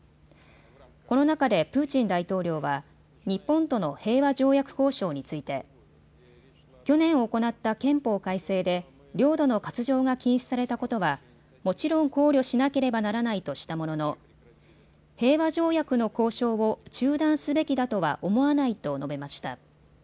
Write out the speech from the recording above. この中でプーチン大統領は日本との平和条約交渉について去年行った憲法改正で領土の割譲が禁止されたことはもちろん考慮しなければならないとしたものの平和条約の交渉を中断すべきだとは思わないと述べました。